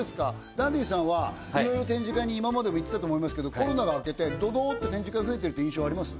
ダンディさんはいろいろ展示会に今までも行ってたと思いますけどコロナが明けてドドーッと展示会増えてるっていう印象あります？